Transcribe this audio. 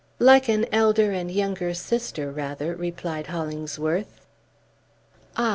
"Like an elder and younger sister, rather," replied Hollingsworth. "Ah!"